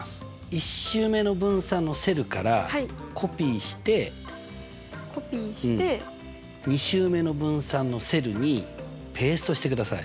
１週目の分散のセルからコピーして２週目の分散のセルにペーストしてください。